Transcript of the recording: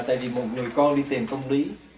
tại vì một người con đi tìm công lý